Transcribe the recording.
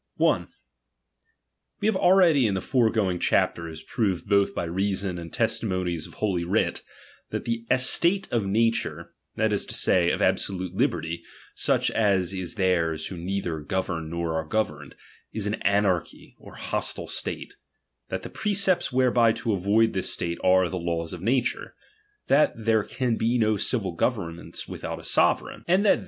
1. We have already in the foregoing chapters, ( proved both by reason and testimonies of holy .j. writ, that the estate of nature, that is to say, of *^' abBolute liberty, such as is theirs who neither govern nor are governed, is an anarchy or hostile state; that the precepts whereby to avoid this state, are the latvs of nature ; that there can be no civil government without a sovereign ; and that •.